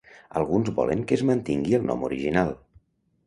Alguns volen que es mantingui el nom original.